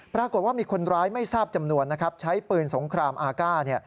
ปรากฏว่ามีคนร้ายไม่ทราบจำนวนนะครับใช้ปืนสงครามอากาศ